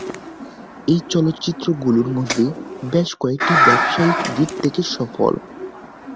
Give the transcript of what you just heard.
এই চলচ্চিত্রগুলোর মধ্যে বেশ কয়েকটি ব্যবসায়িক দিক থেকে সফল।